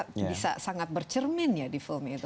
bisa sangat bercermin ya di film itu